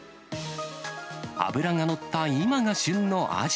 脂が乗った今が旬のアジ。